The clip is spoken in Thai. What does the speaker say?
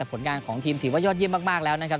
ผลงานของทีมถือว่ายอดเยี่ยมมากแล้วนะครับ